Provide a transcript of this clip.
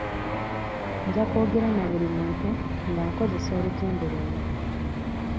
Nja kwogera na buli muntu nga nkozesa olutimbe luno.